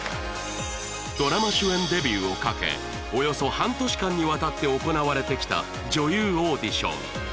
ドラマ主演デビューをかけおよそ半年間にわたって行われてきた女優オーディション